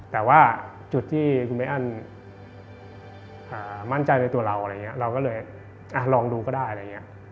แต่ว่าจุดที่คุณเมฆอันมั่นใจในตัวเราเราก็เลยลองดูก็ได้